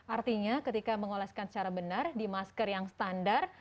artinya ketika mengoleskan secara benar di masker yang standar